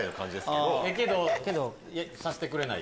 けどさせてくれない？